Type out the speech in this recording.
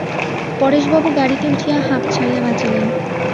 পরেশবাবু গাড়িতে উঠিয়া হাঁপ ছাড়িয়া বাঁচিলেন।